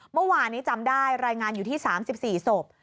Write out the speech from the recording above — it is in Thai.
เมื่อวานนี้จำได้รายงานอยู่ที่๓๔ศพ